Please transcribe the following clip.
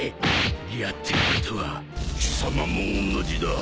やってることは貴様も同じだ。